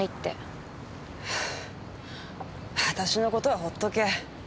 私の事はほっとけ。